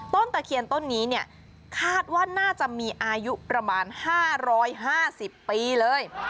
ตะเคียนต้นนี้เนี่ยคาดว่าน่าจะมีอายุประมาณ๕๕๐ปีเลย